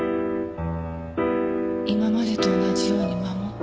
今までと同じように守って。